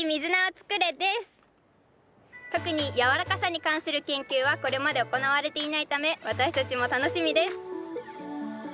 特にやわらかさに関する研究はこれまで行われていないため私たちも楽しみです。